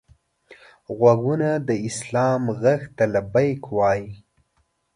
غوږونه د سلام غږ ته لبیک وايي